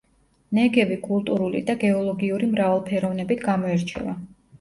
ნეგევი კულტურული და გეოლოგიური მრავალფეროვნებით გამოირჩევა.